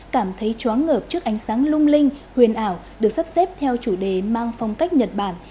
cảm thấy chóng ngợp trước ánh sáng lung linh huyền ảo được sắp xếp theo chủ đề mang phong cách nhật bản